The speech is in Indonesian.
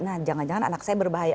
nah jangan jangan anak saya berbahaya